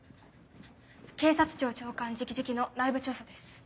・警察庁長官直々の内部調査です。